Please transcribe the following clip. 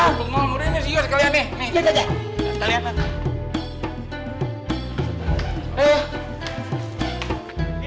sibuk mau udah ini siur sekalian nih